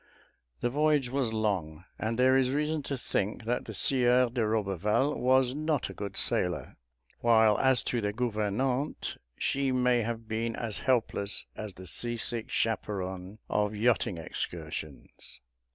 The voyage was long, and there is reason to think that the Sieur de Roberval was not a good sailor, while as to the gouvernante, she may have been as helpless as the seasick chaperon of yachting excursions.